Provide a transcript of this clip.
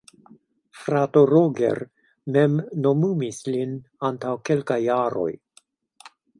Frato Roger mem nomumis lin antaŭ kelkaj jaroj.